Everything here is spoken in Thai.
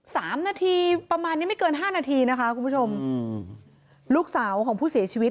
สามนาทีประมาณนี้ไม่เกินห้านาทีนะคะคุณผู้ชมอืมลูกสาวของผู้เสียชีวิต